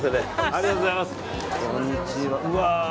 ありがとうございます。